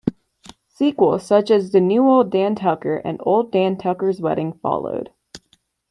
Sequels such as "De New Ole Dan Tucker" and "Old Dan Tucker's Wedding" followed.